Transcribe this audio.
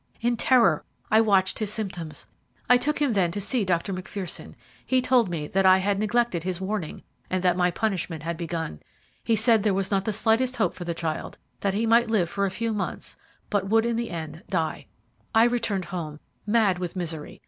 "In terror I watched his symptoms. I took him then to see Dr. Macpherson. He told me that I had neglected his warning, and that my punishment had begun. He said there was not the slightest hope for the child that he might live for a few months, but would in the end die. "I returned home, mad with misery.